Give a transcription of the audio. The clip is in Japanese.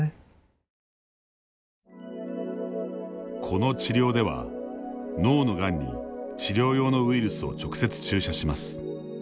この治療では脳のがんに治療用のウイルスを直接注射します。